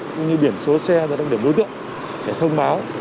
cũng như biển số xe và đăng điểm đối tượng để thông báo